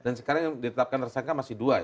dan sekarang yang ditetapkan tersangka masih dua ya